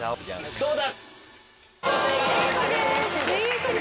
どうだ！